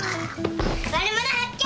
悪者発見！